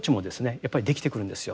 やっぱりできてくるんですよ。